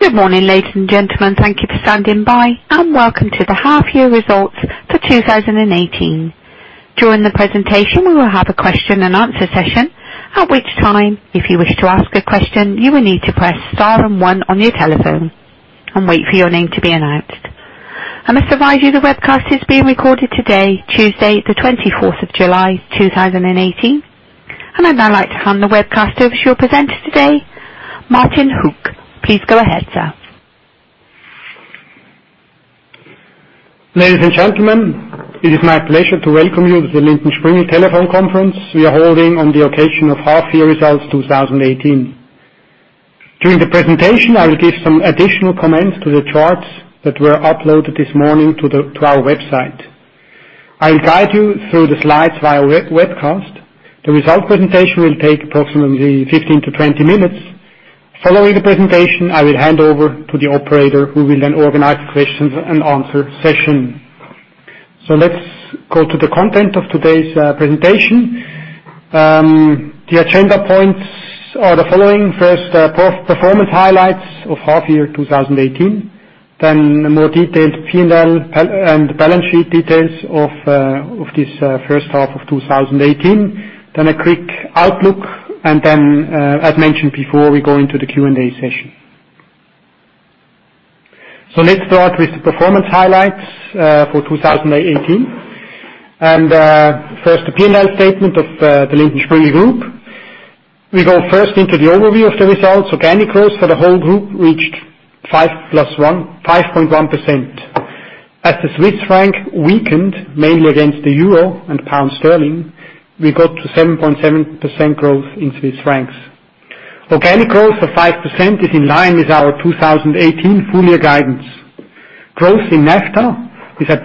Good morning, ladies and gentlemen. Thank you for standing by. Welcome to the half year results for 2018. During the presentation, we will have a question and answer session, at which time, if you wish to ask a question, you will need to press star 1 on your telephone and wait for your name to be announced. I must advise you the webcast is being recorded today, Tuesday, July 24, 2018. I'd now like to hand the webcast over to your presenter today, Martin Hug. Please go ahead, sir. Ladies and gentlemen, it is my pleasure to welcome you to the Lindt & Sprüngli telephone conference we are holding on the occasion of half year results 2018. During the presentation, I will give some additional comments to the charts that were uploaded this morning to our website. I will guide you through the slides via webcast. The result presentation will take approximately 15-20 minutes. Following the presentation, I will hand over to the operator, who will organize questions and answer session. Let's go to the content of today's presentation. The agenda points are the following. First, performance highlights of half year 2018. More detailed P&L and balance sheet details of this first half of 2018. A quick outlook. As mentioned before, we go into the Q&A session. Let's start with the performance highlights for 2018. First, the P&L statement of the Lindt & Sprüngli Group. We go first into the overview of the results. Organic growth for the whole group reached 5.1%. As the Swiss franc weakened, mainly against the EUR and GBP, we got to 7.7% growth in CHF. Organic growth of 5% is in line with our 2018 full year guidance. Growth in NAFTA is at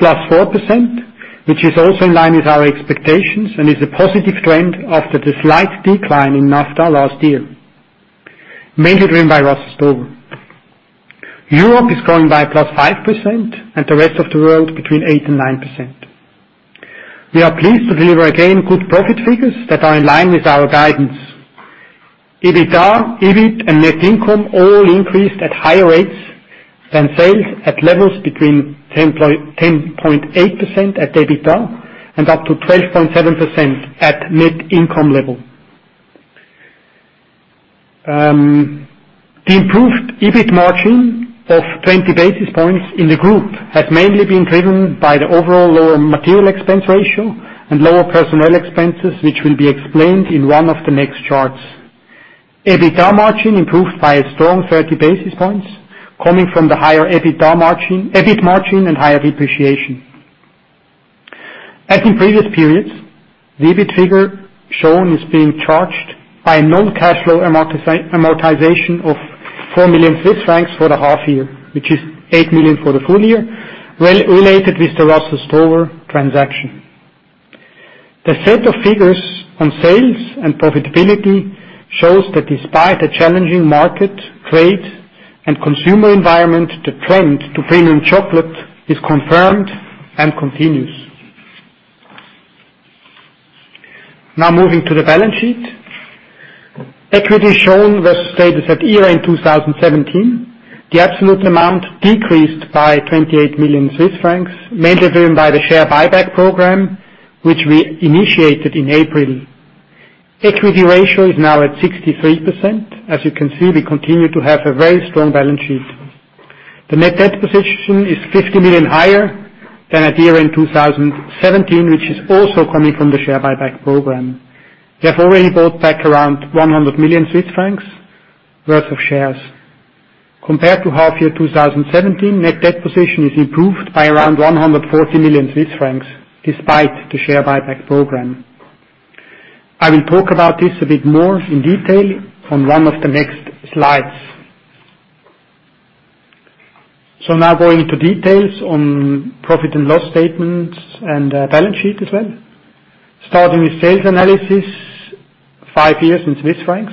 +4%, which is also in line with our expectations. It is a positive trend after the slight decline in NAFTA last year, mainly driven by Russell Stover. Europe is growing by +5%. The rest of the world between 8%-9%. We are pleased to deliver again good profit figures that are in line with our guidance. EBITDA, EBIT, and net income all increased at higher rates than sales at levels between 10.8% at EBITDA and up to 12.7% at net income level. The improved EBIT margin of 20 basis points in the group has mainly been driven by the overall lower material expense ratio and lower personnel expenses, which will be explained in one of the next charts. EBITDA margin improved by a strong 30 basis points coming from the higher EBIT margin and higher depreciation. As in previous periods, the EBIT figure shown is being charged by a non-cash flow amortization of 4 million Swiss francs for the half year, which is 8 million for the full year, related with the Russell Stover transaction. The set of figures on sales and profitability shows that despite a challenging market, trade, and consumer environment, the trend to premium chocolate is confirmed and continues. Moving to the balance sheet. Equity shown was stated at year-end 2017. The absolute amount decreased by 28 million Swiss francs, mainly driven by the share buyback program which we initiated in April. Equity ratio is now at 63%. As you can see, we continue to have a very strong balance sheet. The net debt position is 50 million higher than at year-end 2017, which is also coming from the share buyback program. We have already bought back around 100 million Swiss francs worth of shares. Compared to half-year 2017, net debt position is improved by around 140 million Swiss francs despite the share buyback program. I will talk about this a bit more in detail on one of the next slides. Going into details on profit and loss statements and balance sheet as well. Starting with sales analysis, five years in Swiss francs.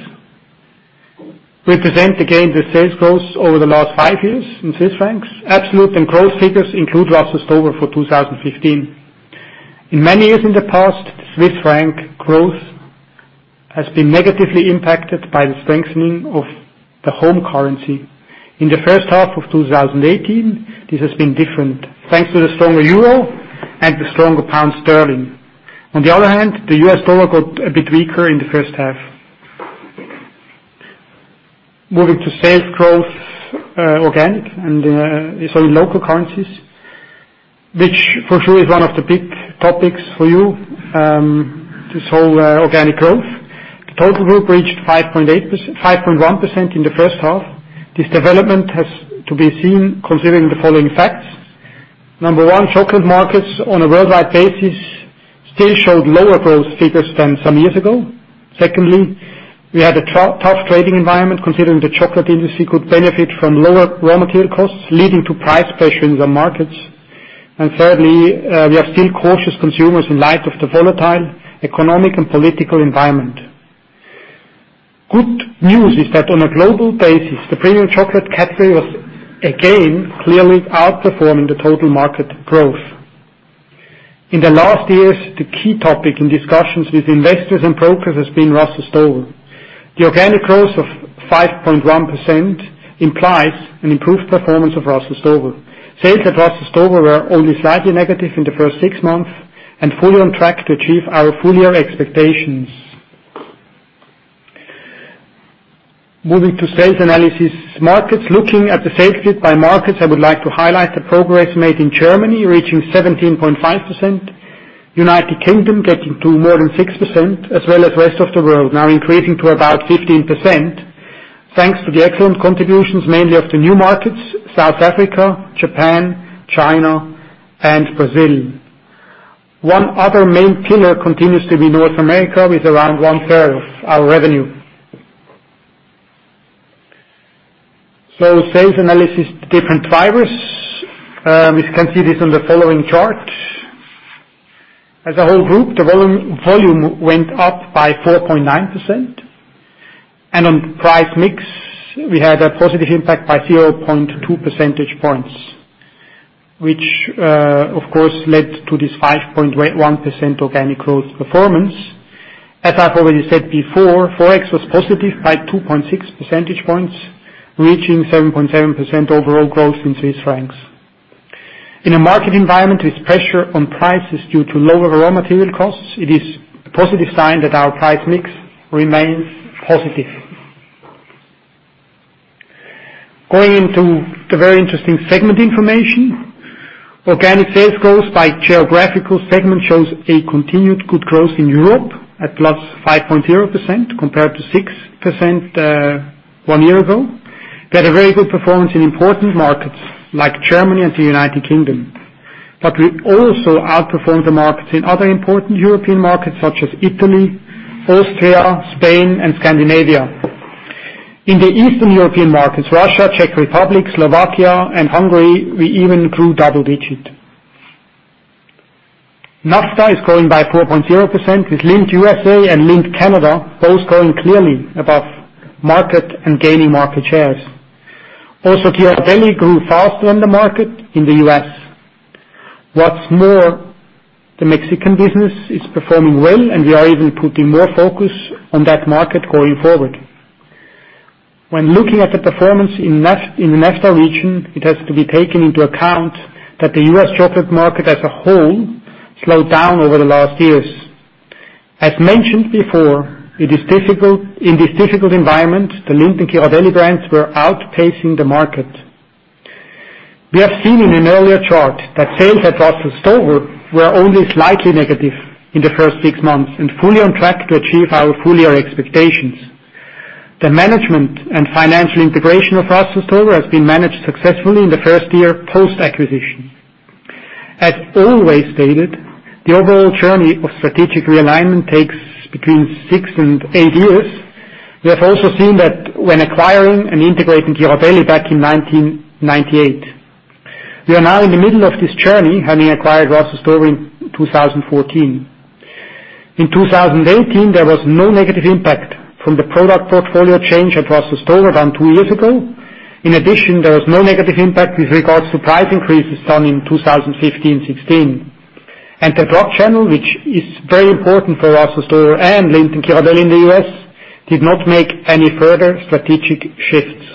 We present again the sales growth over the last five years in Swiss francs. Absolute and growth figures include Russell Stover for 2015. In many years in the past, Swiss franc growth has been negatively impacted by the strengthening of the home currency. In the first half of 2018, this has been different thanks to the stronger EUR and the stronger GBP. On the other hand, the U.S. dollar got a bit weaker in the first half. Moving to sales growth organic in local currencies, which for sure is one of the big topics for you, this whole organic growth. The total group reached 5.1% in the first half. This development has to be seen considering the following facts. Number one, chocolate markets on a worldwide basis still showed lower growth figures than some years ago. Secondly, we had a tough trading environment considering the chocolate industry could benefit from lower raw material costs, leading to price pressure in some markets. Thirdly, we are still cautious consumers in light of the volatile economic and political environment. Good news is that on a global basis, the premium chocolate category was again clearly outperforming the total market growth. In the last years, the key topic in discussions with investors and brokers has been Russell Stover. The organic growth of 5.1% implies an improved performance of Russell Stover. Sales at Russell Stover were only slightly negative in the first 6 months, and fully on track to achieve our full year expectations. Moving to sales analysis markets. Looking at the sales split by markets, I would like to highlight the progress made in Germany, reaching 17.5%. U.K. getting to more than 6%, as well as rest of the world now increasing to about 15%, thanks to the excellent contributions, mainly of the new markets South Africa, Japan, China and Brazil. One other main pillar continues to be North America, with around one-third of our revenue. Sales analysis, different drivers, is considered on the following chart. As a whole group, the volume went up by 4.9%, and on price mix, we had a positive impact by 0.2 percentage points, which of course led to this 5.1% organic growth performance. As I've already said before, Forex was positive by 2.6 percentage points, reaching 7.7% overall growth in Swiss francs. In a market environment with pressure on prices due to lower raw material costs, it is a positive sign that our price mix remains positive. Going into the very interesting segment information. Organic sales growth by geographical segment shows a continued good growth in Europe at +5.0%, compared to 6% one year ago, had a very good performance in important markets like Germany and the U.K. We also outperformed the markets in other important European markets such as Italy, Austria, Spain and Scandinavia. In the Eastern European markets, Russia, Czech Republic, Slovakia and Hungary, we even grew double digit. NAFTA is growing by +4.0%, with Lindt USA and Lindt Canada both growing clearly above market and gaining market shares. Also, Ghirardelli grew faster than the market in the U.S. The Mexican business is performing well and we are even putting more focus on that market going forward. When looking at the performance in the NAFTA region, it has to be taken into account that the U.S. chocolate market as a whole slowed down over the last years. As mentioned before, in this difficult environment, the Lindt & Ghirardelli brands were outpacing the market. We have seen in an earlier chart that sales at Russell Stover were only slightly negative in the first six months, and fully on track to achieve our full year expectations. The management and financial integration of Russell Stover has been managed successfully in the first year, post-acquisition. As always stated, the overall journey of strategic realignment takes between six and eight years. We have also seen that when acquiring and integrating Ghirardelli back in 1998. We are now in the middle of this journey, having acquired Russell Stover in 2014. In 2018, there was no negative impact from the product portfolio change at Russell Stover done two years ago. There was no negative impact with regards to price increases done in 2015, 2016. The drug channel, which is very important for Russell Stover and Lindt & Ghirardelli in the U.S., did not make any further strategic shifts.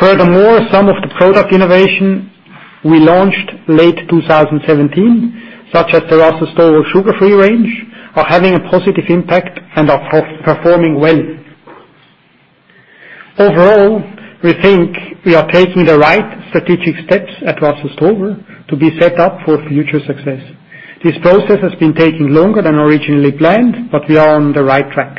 Some of the product innovation we launched late 2017, such as the Russell Stover Sugar Free range, are having a positive impact and are performing well. Overall, we think we are taking the right strategic steps at Russell Stover to be set up for future success. This process has been taking longer than originally planned, but we are on the right track.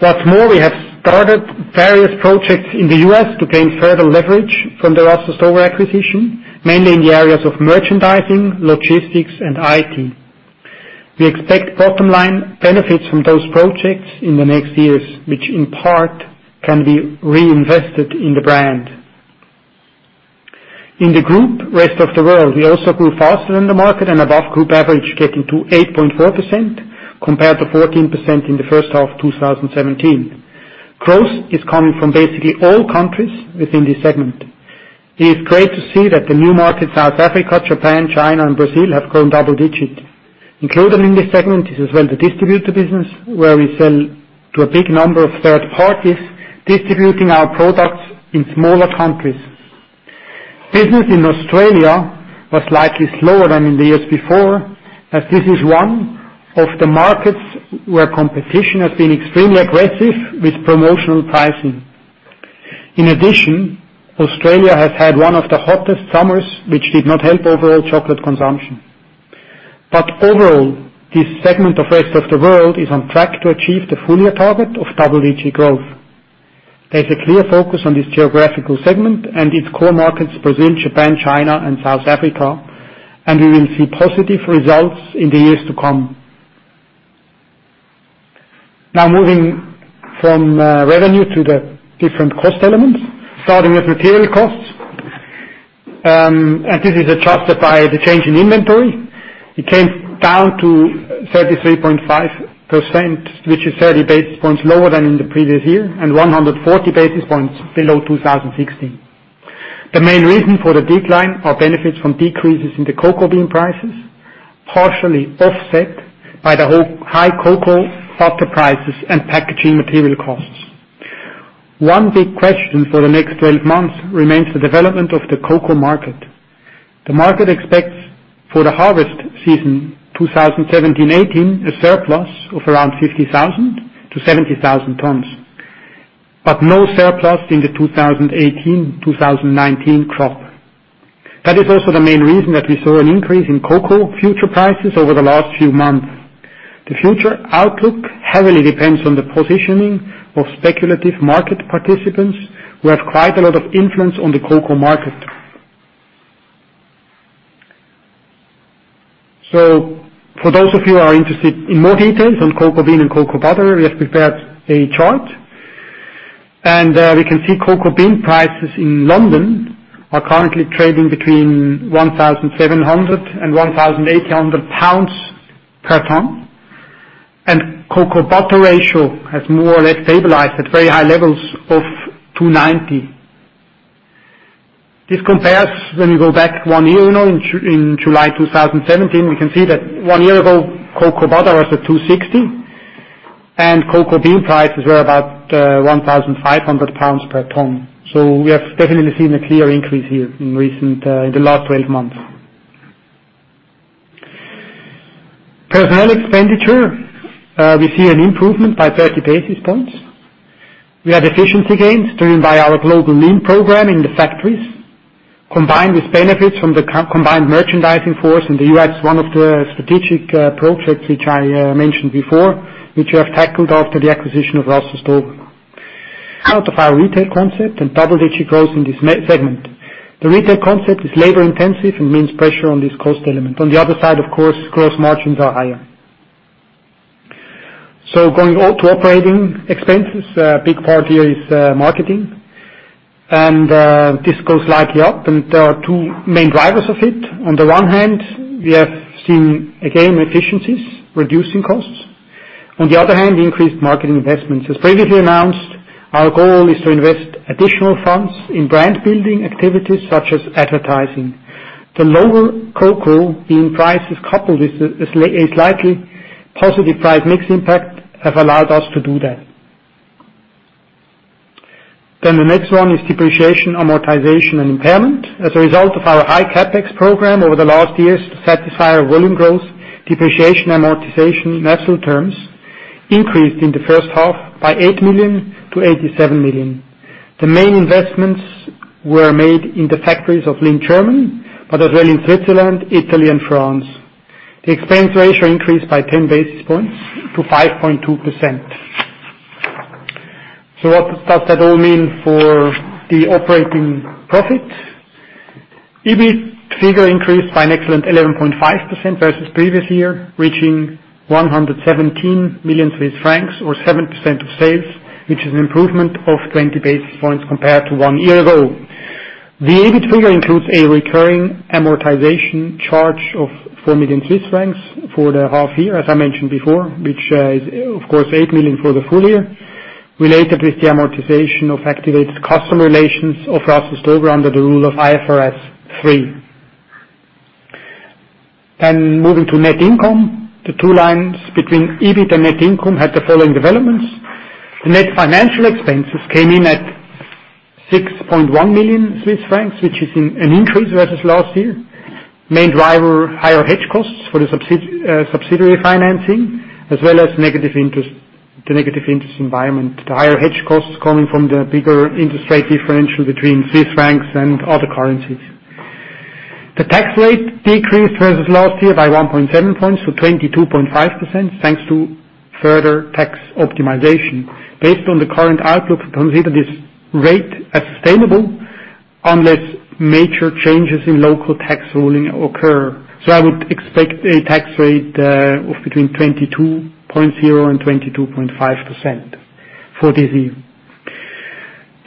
We have started various projects in the U.S. to gain further leverage from the Russell Stover acquisition, mainly in the areas of merchandising, logistics and IT. We expect bottom line benefits from those projects in the next years, which in part can be reinvested in the brand. In the Group Rest of the World, we also grew faster than the market and above group average, getting to +8.4% compared to 14% in the first half 2017. Growth is coming from basically all countries within this segment. It is great to see that the new markets, South Africa, Japan, China and Brazil, have grown double digit. Included in this segment is as well the distributor business, where we sell to a big number of third parties, distributing our products in smaller countries. Business in Australia was slightly slower than in the years before, as this is one of the markets where competition has been extremely aggressive with promotional pricing. Australia has had one of the hottest summers, which did not help overall chocolate consumption. Overall, this segment of Rest of the World is on track to achieve the full year target of double-digit growth. There's a clear focus on this geographical segment and its core markets, Brazil, Japan, China and South Africa, we will see positive results in the years to come. Moving from revenue to the different cost elements, starting with material costs. This is adjusted by the change in inventory. It came down to 33.5%, which is 30 basis points lower than in the previous year, and 140 basis points below 2016. The main reason for the decline are benefits from decreases in the cocoa bean prices, partially offset by the high cocoa butter prices and packaging material costs. One big question for the next 12 months remains the development of the cocoa market. The market expects for the harvest season 2017-2018, a surplus of around 50,000 to 70,000 tons. No surplus in the 2018/2019 crop. That is also the main reason that we saw an increase in cocoa future prices over the last few months. The future outlook heavily depends on the positioning of speculative market participants, who have quite a lot of influence on the cocoa market. For those of you who are interested in more details on cocoa bean and cocoa butter, we have prepared a chart. We can see cocoa bean prices in London are currently trading between 1,700 and 1,800 pounds per ton, and cocoa butter ratio has more or less stabilized at very high levels of 290. This compares when we go back one year now, in July 2017, we can see that one year ago, cocoa butter was at 260, and cocoa bean prices were about 1,500 pounds per ton. We have definitely seen a clear increase here in the last 12 months. Personnel expenditure, we see an improvement by 30 basis points. We have efficiency gains driven by our global lean program in the factories, combined with benefits from the combined merchandising force in the U.S., one of the strategic projects which I mentioned before, which we have tackled after the acquisition of Russell Stover. Out of our retail concept and double-digit growth in this segment. The retail concept is labor-intensive and means pressure on this cost element. On the other side, of course, gross margins are higher. Going out to operating expenses, a big part here is marketing. This goes slightly up, and there are two main drivers of it. On the one hand, we have seen, again, efficiencies, reducing costs. On the other hand, increased marketing investments. As previously announced, our goal is to invest additional funds in brand-building activities such as advertising. The lower cocoa bean prices, coupled with a slightly positive price mix impact, have allowed us to do that. The next one is depreciation, amortization, and impairment. As a result of our high CapEx program over the last years to satisfy our volume growth, depreciation, amortization in absolute terms increased in the first half by 8 million to 87 million. The main investments were made in the factories of Lindt, Germany, but as well in Switzerland, Italy and France. The expense ratio increased by 10 basis points to 5.2%. What does that all mean for the operating profit? EBIT figure increased by an excellent 11.5% versus previous year, reaching 117 million Swiss francs or 7% of sales, which is an improvement of 20 basis points compared to one year ago. The EBIT figure includes a recurring amortization charge of 4 million Swiss francs for the half year, as I mentioned before, which is of course 8 million for the full year, related with the amortization of activated customer relations of Russell Stover under the rule of IFRS 3. Moving to net income, the two lines between EBIT and net income had the following developments. The net financial expenses came in at 6.1 million Swiss francs, which is an increase versus last year. Main driver, higher hedge costs for the subsidiary financing, as well as the negative interest environment. The higher hedge costs coming from the bigger interest rate differential between CHF and other currencies. The tax rate decreased versus last year by 1.7 points to 22.5%, thanks to further tax optimization. Based on the current outlook, we consider this rate as sustainable unless major changes in local tax ruling occur. I would expect a tax rate of between 22.0% and 22.5% for this year. The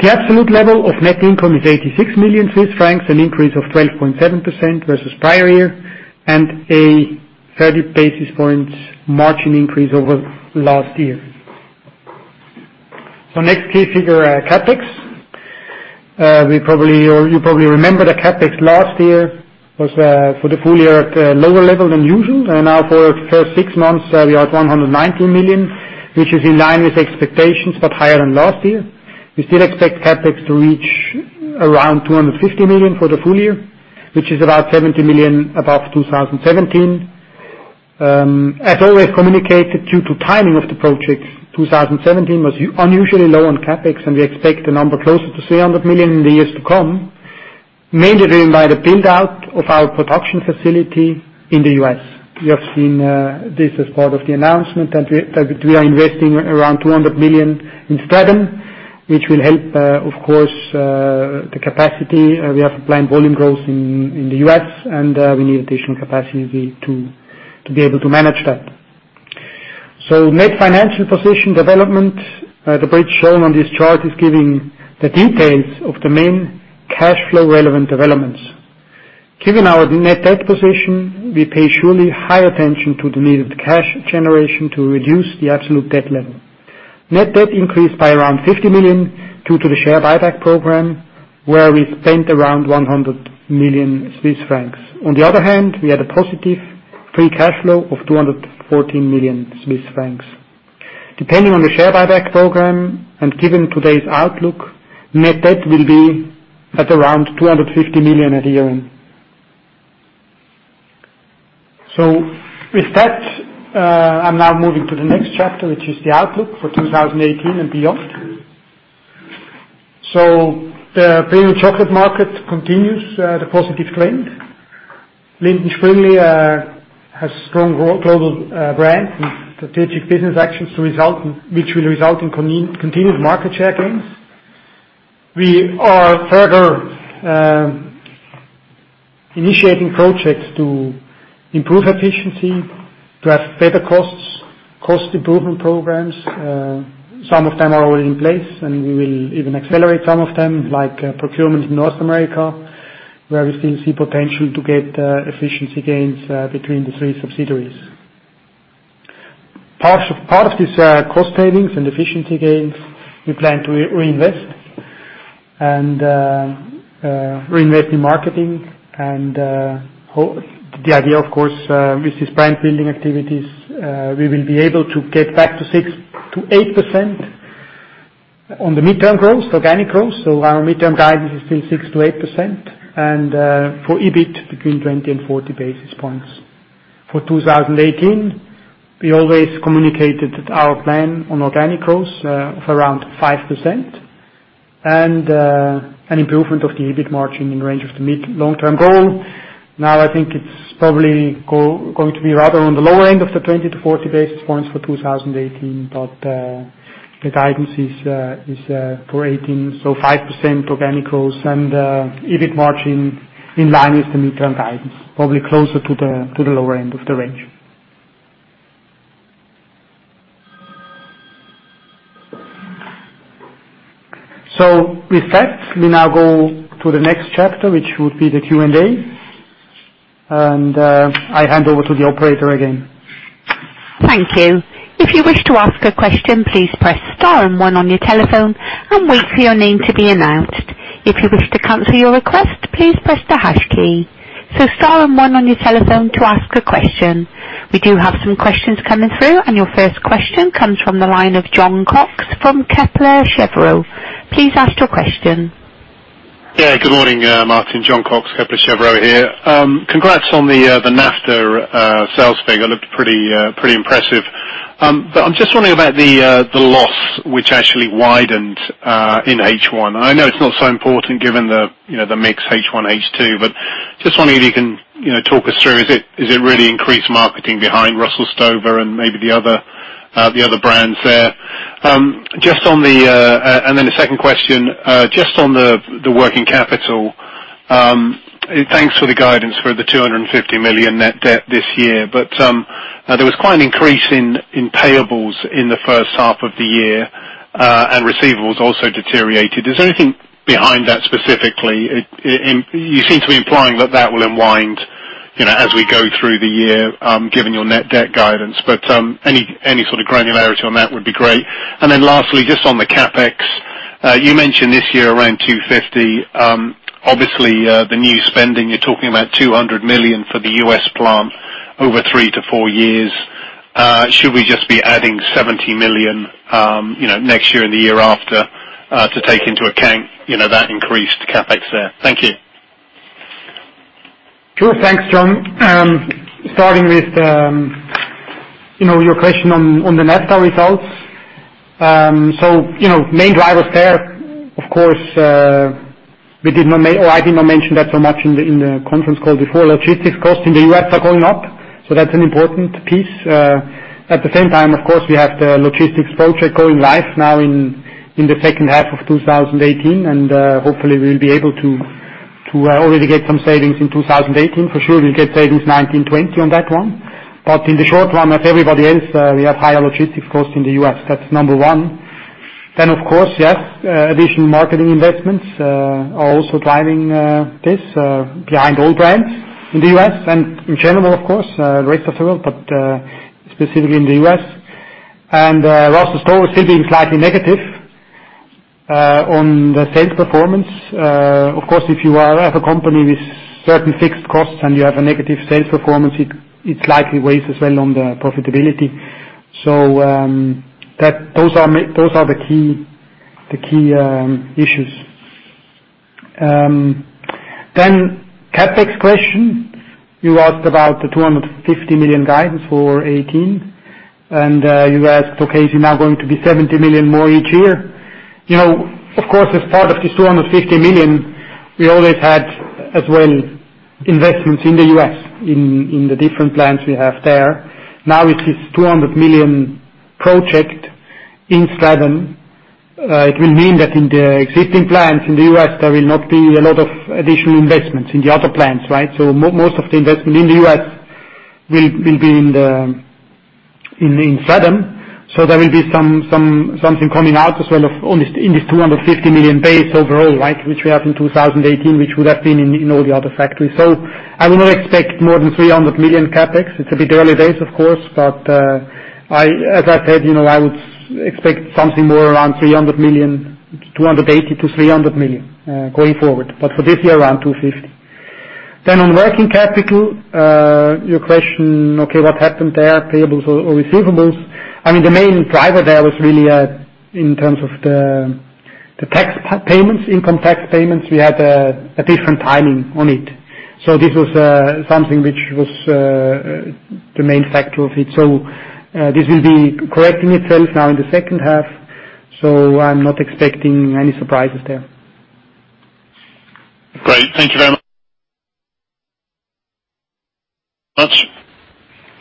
absolute level of net income is 86 million Swiss francs, an increase of 12.7% versus prior year, and a 30 basis points margin increase over last year. Next key figure, CapEx. You probably remember the CapEx last year was, for the full year, at a lower level than usual, and now for the first six months, we are at 119 million, which is in line with expectations, but higher than last year. We still expect CapEx to reach around 250 million for the full year, which is about 70 million above 2017. As always communicated, due to timing of the projects, 2017 was unusually low on CapEx, and we expect the number closer to 300 million in the years to come, mainly driven by the build-out of our production facility in the U.S. You have seen this as part of the announcement that we are investing around 200 million in Stratham, which will help, of course, the capacity. We have planned volume growth in the U.S., and we need additional capacity to be able to manage that. Net financial position development, the bridge shown on this chart is giving the details of the main cash flow relevant developments. Given our net debt position, we pay surely high attention to the needed cash generation to reduce the absolute debt level. Net debt increased by around 50 million due to the share buyback program, where we spent around 100 million Swiss francs. On the other hand, we had a positive free cash flow of 214 million Swiss francs. Depending on the share buyback program, and given today's outlook, net debt will be at around 250 million at year-end. With that, I'm now moving to the next chapter, which is the outlook for 2018 and beyond. The premium chocolate market continues the positive trend. Lindt & Sprüngli has strong global brand and strategic business actions, which will result in continued market share gains. We are further initiating projects to improve efficiency, to have better costs, cost improvement programs. Some of them are already in place, and we will even accelerate some of them, like procurement in North America, where we still see potential to get efficiency gains between the three subsidiaries. Part of these cost savings and efficiency gains, we plan to reinvest, and reinvest in marketing. The idea, of course, with these brand-building activities, we will be able to get back to 6%-8% on the midterm growth, organic growth. Our midterm guidance is still 6%-8%, and for EBIT, between 20 and 40 basis points. For 2018, we always communicated our plan on organic growth of around 5% and an improvement of the EBIT margin in range of the mid, long-term goal. I think it's probably going to be rather on the lower end of the 20 to 40 basis points for 2018. The guidance is for 2018, 5% organic growth and EBIT margin in line with the midterm guidance, probably closer to the lower end of the range. With that, we now go to the next chapter, which would be the Q&A. I hand over to the operator again. Thank you. If you wish to ask a question, please press star one on your telephone and wait for your name to be announced. If you wish to cancel your request, please press the hash key. Star one on your telephone to ask a question. We do have some questions coming through, your first question comes from the line of Jon Cox from Kepler Cheuvreux. Please ask your question. Good morning, Martin. Jon Cox, Kepler Cheuvreux here. Congrats on the NAFTA sales figure. Looked pretty impressive. I'm just wondering about the loss which actually widened in H1. I know it's not so important given the mix H1/H2, just wondering if you can talk us through, is it really increased marketing behind Russell Stover and maybe the other brands there? A second question, just on the working capital. Thanks for the guidance for the 250 million net debt this year. There was quite an increase in payables in the first half of the year, and receivables also deteriorated. Is there anything behind that specifically? You seem to be implying that that will unwind as we go through the year, given your net debt guidance. Any sort of granularity on that would be great. Lastly, just on the CapEx, you mentioned this year around 250 million. Obviously, the new spending, you're talking about 200 million for the U.S. plant over three to four years. Should we just be adding 70 million next year and the year after to take into account that increased CapEx there? Thank you. Sure. Thanks, Jon. Starting with your question on the NAFTA results. Main drivers there, of course, I did not mention that so much in the conference call before. Logistics costs in the U.S. are going up, that's an important piece. At the same time, of course, we have the logistics project going live now in the second half of 2018. Hopefully we'll be able to already get some savings in 2018. For sure we'll get savings 2019, 2020 on that one. In the short run, as everybody else, we have higher logistics costs in the U.S. That's number one. Of course, yes, additional marketing investments are also driving this behind all brands in the U.S. and in general, of course, the rest of the world, but specifically in the U.S. Russell Stover still being slightly negative on the sales performance. Of course, if you have a company with certain fixed costs and you have a negative sales performance, it likely weighs as well on the profitability. Those are the key issues. CapEx question. You asked about the 250 million guidance for 2018, and you asked, okay, is it now going to be 70 million more each year? Of course, as part of this 250 million, we always had as well investments in the U.S. in the different plants we have there. Now with this 200 million project in Stratham, it will mean that in the existing plants in the U.S., there will not be a lot of additional investments in the other plants, right? Most of the investment in the U.S. will be in Stratham. There will be something coming out as well in this 250 million base overall, which we have in 2018, which would have been in all the other factories. I would not expect more than 300 million CapEx. It's a bit early days, of course. As I said, I would expect something more around 300 million, 280 million-300 million, going forward. For this year, around 250. On working capital, your question, okay, what happened there, payables or receivables? I mean, the main driver there was really in terms of the tax payments, income tax payments. We had a different timing on it. This was something which was the main factor of it. This will be correcting itself now in the second half, I'm not expecting any surprises there. Great. Thank you very much.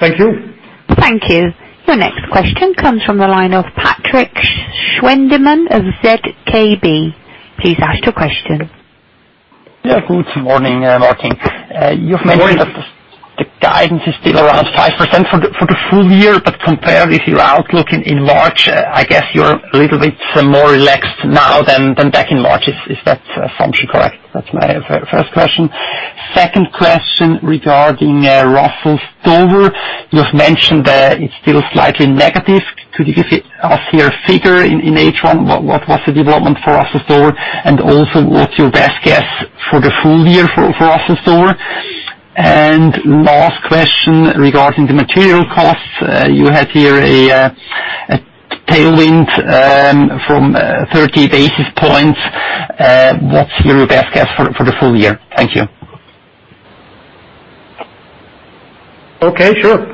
Thank you. Thank you. Your next question comes from the line of Patrik Schwendimann of ZKB. Please ask your question. Yeah. Good morning, Martin. Good morning. You've mentioned that the guidance is still around 5% for the full year, but compared with your outlook in March, I guess you're a little bit more relaxed now than back in March. Is that assumption correct? That's my first question. Second question regarding Russell Stover. You've mentioned that it's still slightly negative. Could you give us your figure in H1? What was the development for Russell Stover? Also what's your best guess for the full year for Russell Stover? Last question regarding the material costs. You had here a tailwind from 30 basis points. What's your best guess for the full year? Thank you. Okay, sure.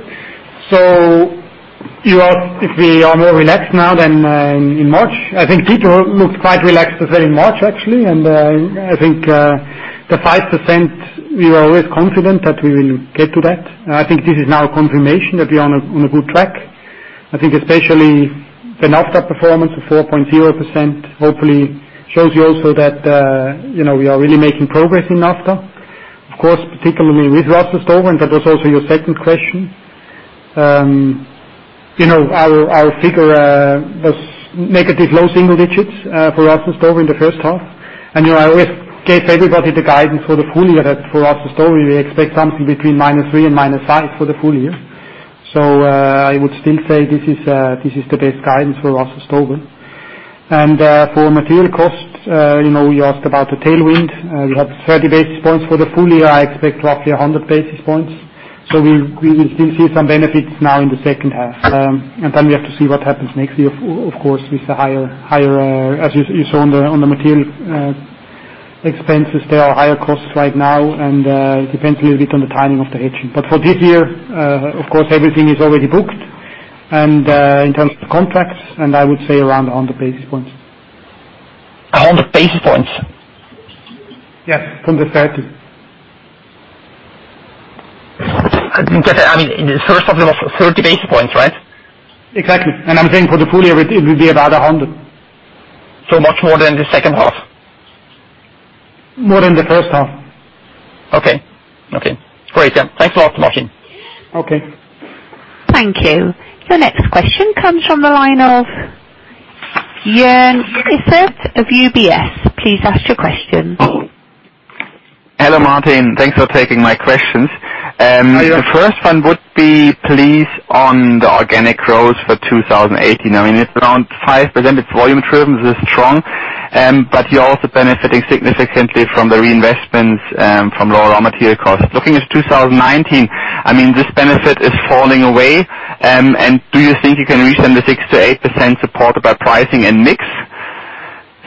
You asked if we are more relaxed now than in March. I think Dieter looked quite relaxed in March, actually. I think the 5%, we are always confident that we will get to that. I think this is now a confirmation that we are on a good track. I think especially the NAFTA performance of 4.0% hopefully shows you also that we are really making progress in NAFTA. Of course, particularly with Russell Stover, and that was also your second question. Our figure was negative low single digits for Russell Stover in the first half. I always gave everybody the guidance for the full year that for Russell Stover, we expect something between minus 3 and minus 5 for the full year. I would still say this is the best guidance for Russell Stover. For material costs, you asked about the tailwind. We have 30 basis points for the full year. I expect roughly 100 basis points. We will still see some benefits now in the second half. Then we have to see what happens next year, of course, with the higher, as you saw on the material expenses, there are higher costs right now, and it depends a little bit on the timing of the hedging. For this year, of course, everything is already booked. In terms of contracts, and I would say around 100 basis points. 100 basis points? Yes, from the 30. I mean, the first half was 30 basis points, right? Exactly. I'm saying for the full year, it will be about 100. Much more than the second half? More than the first half. Okay. Great. Yeah. Thanks a lot, Martin. Okay. Thank you. Your next question comes from the line of Joern Iffert of UBS. Please ask your question. Hello, Martin. Thanks for taking my questions. Hi. The first one would be, please, on the organic growth for 2018. I mean, it's around 5%. It's volume-driven, it's strong. You're also benefiting significantly from the reinvestments, from lower raw material costs. Looking at 2019, I mean, this benefit is falling away. Do you think you can reach then the 6%-8% supported by pricing and mix?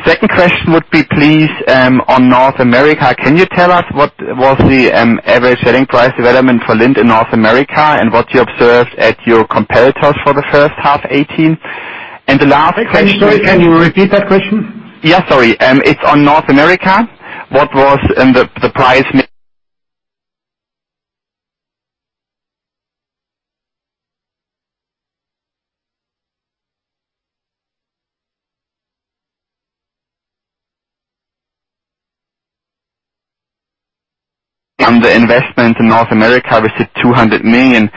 Second question would be, please, on North America. Can you tell us what was the average selling price development for Lindt in North America and what you observed at your competitors for the first half 2018? The last question. Sorry, can you repeat that question? Yeah, sorry. It's on North America. What was the price. The investment in North America was at 200 million.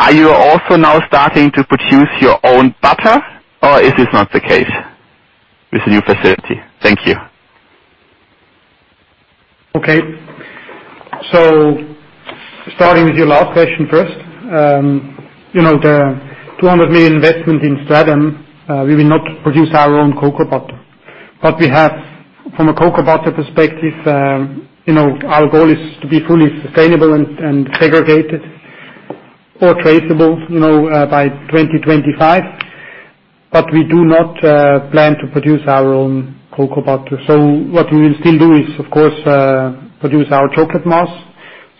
Are you also now starting to produce your own butter or is this not the case with the new facility? Thank you. Okay. Starting with your last question first. The 200 million investment in Stratham, we will not produce our own cocoa butter. We have, from a cocoa butter perspective, our goal is to be fully sustainable and segregated or traceable by 2025. We do not plan to produce our own cocoa butter. What we will still do is, of course, produce our chocolate mass.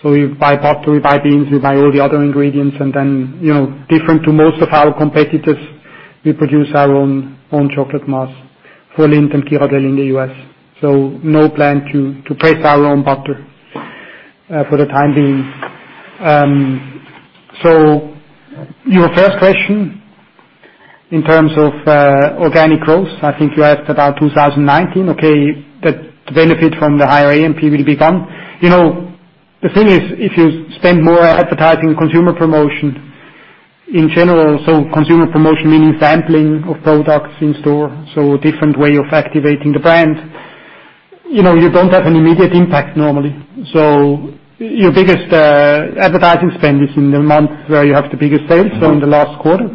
We buy butter, we buy beans, we buy all the other ingredients, and then different to most of our competitors, we produce our own chocolate mass for Lindt & Sprüngli in the U.S. No plan to press our own butter. For the time being. Your first question, in terms of organic growth, I mean, you asked about 2019, okay, that the benefit from the higher AMP will be gone. The thing is, if you spend more advertising consumer promotion in general, so consumer promotion meaning sampling of products in store, so a different way of activating the brand. You don't have an immediate impact normally. Your biggest advertising spend is in the month where you have the biggest sales, in the last quarter.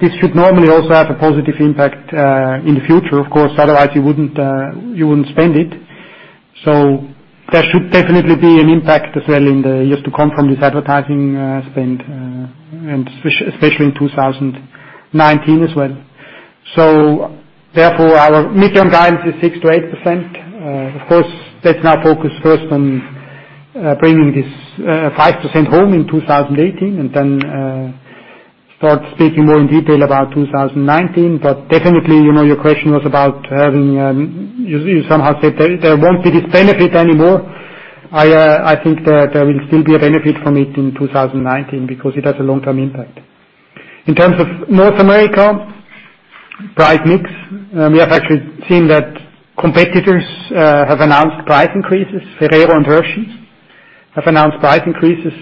This should normally also have a positive impact, in the future, of course, otherwise you wouldn't spend it. That should definitely be an impact as well in the years to come from this advertising spend, and especially in 2019 as well. Our medium guidance is 6%-8%. Of course, let's now focus first on bringing this 5% home in 2018 and then start speaking more in detail about 2019. Definitely, your question was about having. You somehow said there won't be this benefit anymore. I think that there will still be a benefit from it in 2019 because it has a long-term impact. In terms of North America, price mix, we have actually seen that competitors have announced price increases. Ferrero and Hershey's have announced price increases.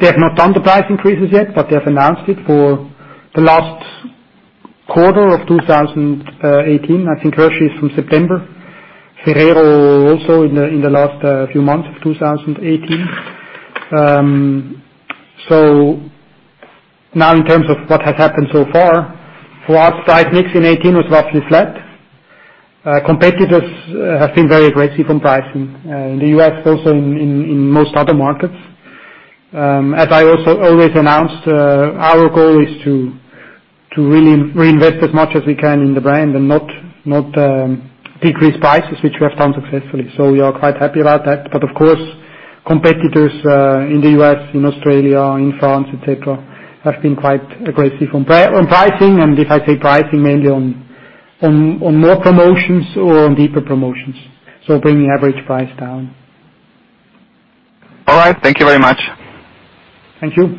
They have not done the price increases yet, but they have announced it for the last quarter of 2018. I think Hershey's from September, Ferrero also in the last few months of 2018. In terms of what has happened so far, for us, price mix in 2018 was roughly flat. Competitors have been very aggressive on pricing, in the U.S. also in most other markets. As I also always announced, our goal is to really reinvest as much as we can in the brand and not decrease prices, which we have done successfully. We are quite happy about that. Of course, competitors in the U.S., in Australia, in France, et cetera, have been quite aggressive on pricing. If I say pricing, mainly on more promotions or on deeper promotions, bringing average price down. All right. Thank you very much. Thank you.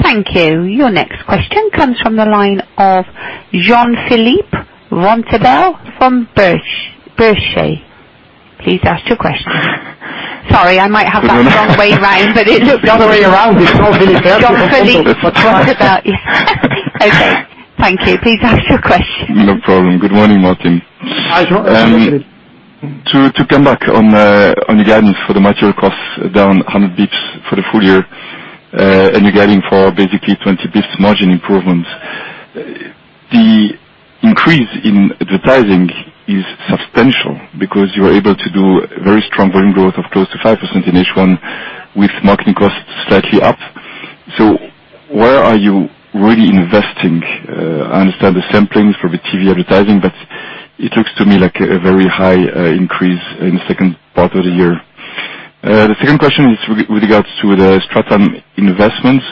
Thank you. Your next question comes from the line of Jean-Philippe Bertschy from Berenberg. Please ask your question. Sorry, I might have that the wrong way around, but The other way around. It's probably better if you call me Philippe. Jean-Philippe Bertschy. Okay. Thank you. Please ask your question. No problem. Good morning, Martin. Hi. To come back on the guidance for the material costs down 100 basis points for the full year, you're guiding for basically 20 basis points margin improvement. The increase in advertising is substantial because you are able to do very strong volume growth of close to 5% in H1 with marketing costs slightly up. Where are you really investing? I understand the sampling for the TV advertising, but it looks to me like a very high increase in the second part of the year. The second question is with regards to the Stratham investments.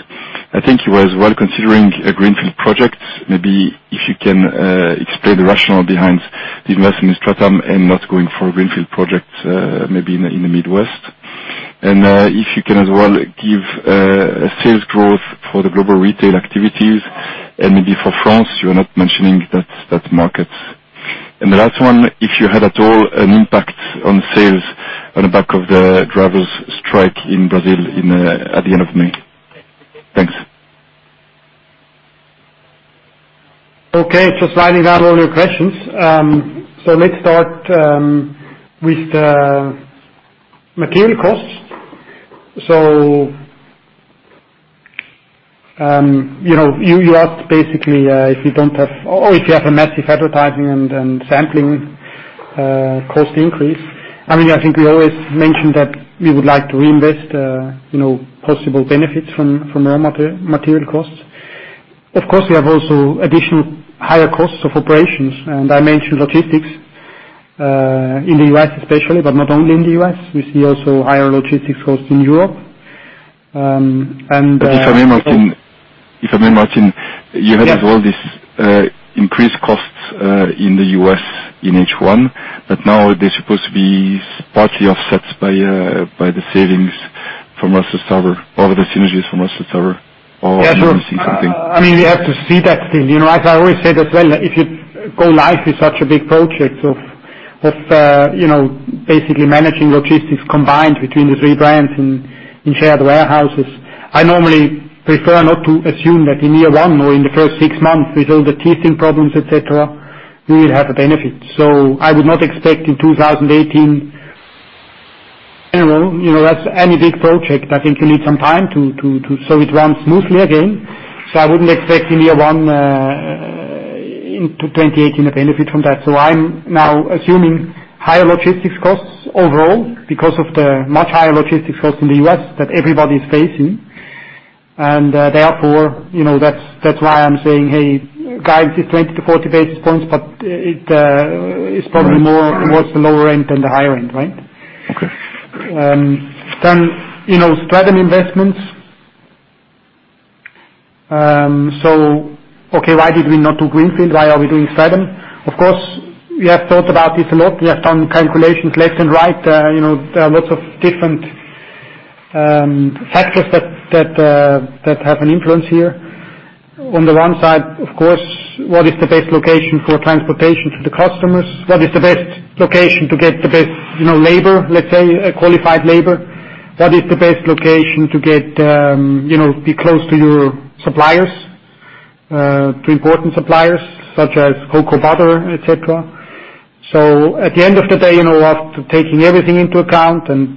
I think you as well considering a greenfield project. Maybe if you can explain the rationale behind the investment in Stratham and not going for a greenfield project maybe in the Midwest. If you can as well give sales growth for the Global Retail activities and maybe for France. You are not mentioning that market. The last one, if you had at all an impact on sales on the back of the drivers strike in Brazil at the end of May. Thanks. Okay. Writing down all your questions. Let's start with the material costs. You asked basically if you have a massive advertising and sampling cost increase. I think we always mentioned that we would like to reinvest possible benefits from raw material costs. Of course, we have also additional higher costs of operations. I mentioned logistics, in the U.S. especially, but not only in the U.S. We see also higher logistics costs in Europe. If I remember Martin. Yes You had as well this increased costs in the U.S. in H1, but now they're supposed to be partly offset by the savings from Russell Stover or the synergies from Russell Stover or you don't see something? Yeah, sure. We have to see that still. As I always said as well, if you go live with such a big project of basically managing logistics combined between the three brands in shared warehouses, I normally prefer not to assume that in year one or in the first six months with all the teething problems, et cetera, we will have a benefit. I would not expect in 2018. As any big project, I think you need some time so it runs smoothly again. I wouldn't expect in year one, into 2018, a benefit from that. I'm now assuming higher logistics costs overall because of the much higher logistics costs in the U.S. that everybody is facing. Therefore, that's why I'm saying, hey, guidance is 20 basis points-40 basis points, but it's probably more towards the lower end than the higher end, right? Okay. Stratham investments. Okay, why did we not do Greenfield? Why are we doing Stratham? Of course, we have thought about this a lot. We have done calculations left and right. There are lots of different factors that have an influence here. On the one side, of course, what is the best location for transportation to the customers? What is the best location to get the best labor, let's say, qualified labor? What is the best location to be close to your suppliers, to important suppliers such as cocoa butter, et cetera. At the end of the day, after taking everything into account and